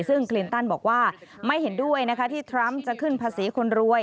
ซึ่งคลินตันบอกว่าไม่เห็นด้วยนะคะที่ทรัมป์จะขึ้นภาษีคนรวย